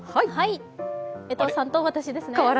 江藤さんと私ですね。